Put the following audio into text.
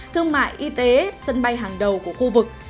thương mại y tế sân bay hàng đầu của khu vực